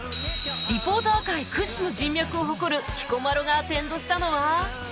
リポーター界屈指の人脈を誇る彦摩呂がアテンドしたのは